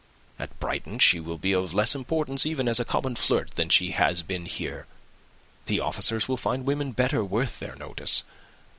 At Brighton she will be of less importance even as a common flirt than she has been here. The officers will find women better worth their notice.